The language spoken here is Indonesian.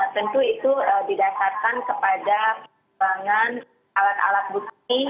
tentu itu didasarkan kepada perkembangan alat alat bukti